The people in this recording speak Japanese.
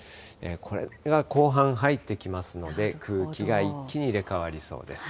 これが後半入ってきますので、空気が一気に入れ代わりそうです。